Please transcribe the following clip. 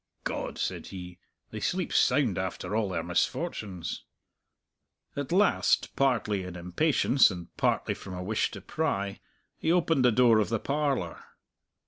"God!" said he, "they sleep sound after all their misfortunes!" At last partly in impatience, and partly from a wish to pry he opened the door of the parlour.